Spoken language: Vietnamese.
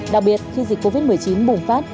đặc biệt khi dịch covid một mươi chín bùng phát